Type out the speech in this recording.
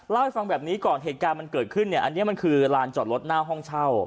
เล่าให้ฟังแบบนี้ก่อนเหตุการณ์มันเกิดขึ้นเนี่ยอันนี้มันคือลานจอดรถหน้าห้องเช่า